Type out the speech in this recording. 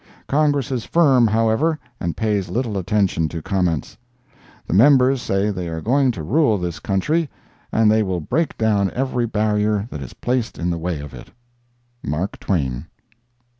Congress is firm, however, and pays little attention to comments. The members say they are going to rule this country, and they will break down every barrier that is placed in the way of it. MARK TWAIN.